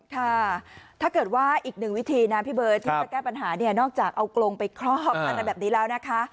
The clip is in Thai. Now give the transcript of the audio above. ค่ะถ้าเกิดว่าอีกหนึ่งวิธีนะพี่เบิร์ตที่จะแก้ปัญหาเนี่ยนอกจากเอากรงไปครอบอะไรแบบนี้แล้วนะคะ